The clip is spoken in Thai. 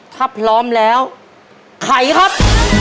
ถ้าพร้อมแล้วไขครับ